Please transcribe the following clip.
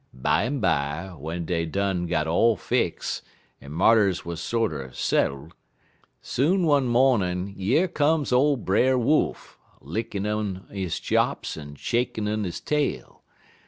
"Bimeby, w'en dey done got all fix, en marters wuz sorter settle, soon one mawnin' yer come ole Brer Wolf, a lickin' un his chops en a shakin' un his tail.